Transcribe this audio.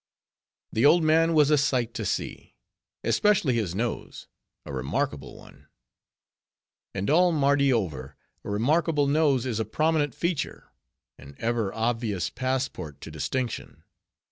The old man was a sight to see; especially his nose; a remarkable one. And all Mardi over, a remarkable nose is a prominent feature: an ever obvious passport to distinction.